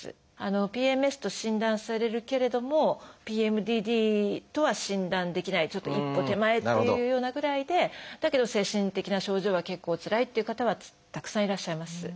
「ＰＭＳ」と診断されるけれども「ＰＭＤＤ」とは診断できないちょっと一歩手前っていうようなぐらいでだけど精神的な症状は結構つらいっていう方はたくさんいらっしゃいます。